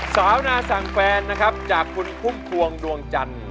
สาวนาสั่งแฟนนะครับจากคุณพุ่มพวงดวงจันทร์